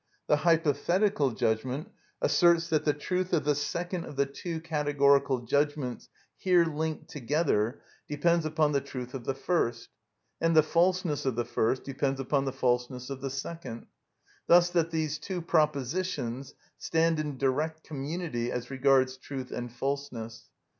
The hypothetical judgment asserts that the truth of the second of the two categorical judgments here linked together depends upon the truth of the first, and the falseness of the first depends upon the falseness of the second; thus that these two propositions stand in direct community as regards truth and falseness.